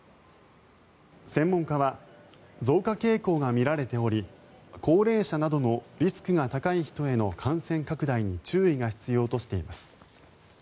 専門家は増加傾向が見られており高齢者などのリスクが高い人への感染拡大に注意が必要としています。